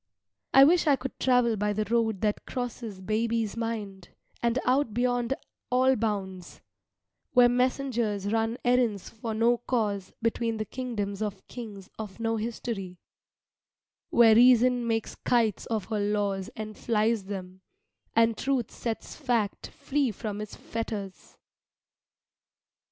I wish I could travel by the road that crosses baby's mind, and out beyond all bounds; Where messengers run errands for no cause between the kingdoms of kings of no history; Where Reason makes kites of her laws and flies them, and Truth sets Fact free from its fetters.